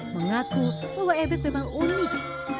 mengaku bahwa ebek memang unik